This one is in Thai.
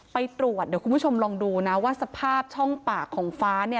ไปตรวจเดี๋ยวคุณผู้ชมลองดูนะว่าสภาพช่องปากของฟ้าเนี่ย